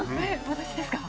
私ですか？